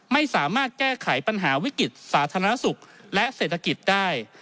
ไม่สามารถแก้ไขปัญหาวิกฤตสาธารณสุขและเศรษฐกิจได้